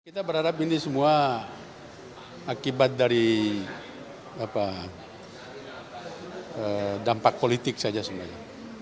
kita berharap ini semua akibat dari dampak politik saja sebenarnya